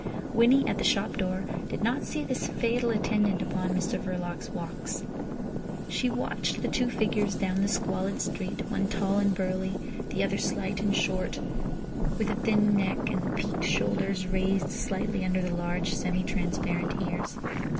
Winnie, at the shop door, did not see this fatal attendant upon Mr Verloc's walks. She watched the two figures down the squalid street, one tall and burly, the other slight and short, with a thin neck, and the peaked shoulders raised slightly under the large semi transparent ears.